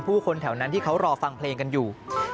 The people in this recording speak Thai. ผู้คนแถวนั้นที่เขารอฟังเพลงกันอยู่